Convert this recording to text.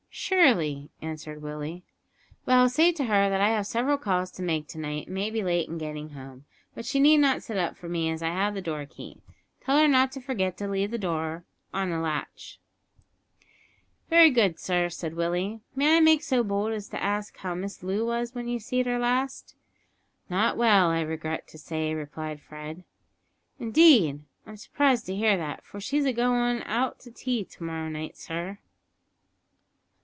"Sure ly," answered Willie. "Well, say to her that I have several calls to make to night and may be late in getting home, but she need not sit up for me as I have the door key; tell her not to forget to leave the door on the latch." "Wery good, sir," said Willie. "May I make so bold as to ask how Miss Loo was when you seed her last?" "Not well, I regret to say," replied Fred. "Indeed! I'm surprised to hear that, for she's agoin' out to tea to morrow night, sir."